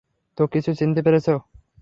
তো, কিছু চিনতে পেরেছো?